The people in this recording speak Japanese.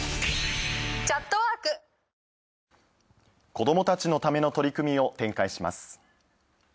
子供たちのための取り組みを展開します。